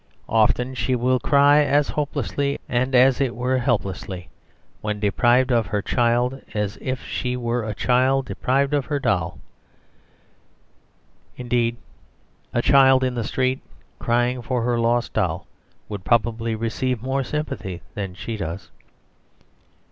Often she will cry as hopelessly, and as it were helplessly, when deprived of her child as if she were a child deprived of her doll. Indeed, a child in the street, crying for her lost doll, would probably receive more sympathy than she does.